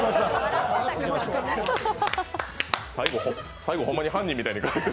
最後、ほんまに犯人みたいに帰って行く。